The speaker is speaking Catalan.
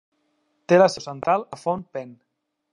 Té la seu central a Phnom Penh.